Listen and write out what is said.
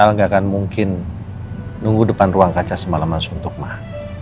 al nggak akan mungkin nunggu depan ruang kaca semalaman suntuk mah